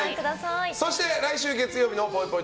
そして来週月曜日のぽいぽい